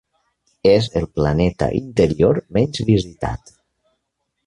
És el planeta interior menys visitat.